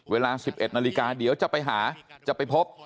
เวลา๑๑นาฬิกาเดี๋ยวจะไปหาจะไปพบ